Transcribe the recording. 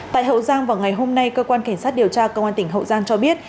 tại hậu giang vào ngày hôm nay cơ quan cảnh sát điều tra công an tỉnh hậu giang cho biết